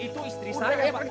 itu istri saya pak